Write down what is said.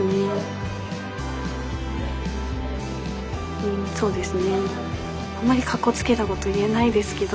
うんそうですね。